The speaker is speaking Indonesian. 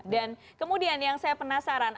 dan kemudian yang saya penasaran